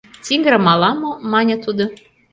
— Тигрым ала-мо, — мане тудо.